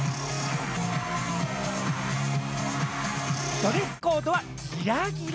ドレスコードはギラギラ！